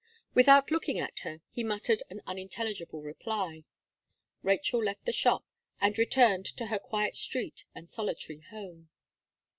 Without looking at her, he muttered an unintelligible reply. Rachel left the shop, and returned to her quiet street and solitary home.